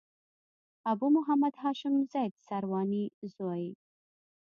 ابو محمد هاشم د زيد سرواني زوی.